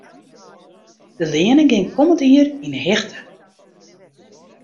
De leanen geane kommend jier yn 'e hichte.